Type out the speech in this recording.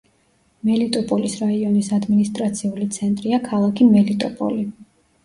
მელიტოპოლის რაიონის ადმინისტრაციული ცენტრია ქალაქი მელიტოპოლი.